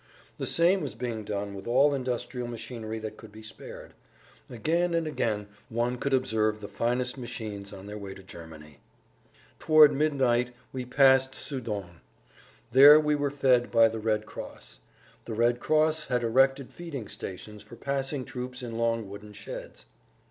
The same was being done with all industrial machinery that could be spared. Again and again one could observe the finest machines on their way to Germany. Towards midnight we passed Sédan. There we were fed by the Red Cross. The Red Cross had erected feeding stations for passing troops in long wooden sheds.